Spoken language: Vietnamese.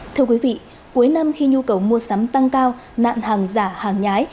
thưa quý vị cuối năm khi nhu cầu mua sắm tăng cao nạn hàng giả hàng nhái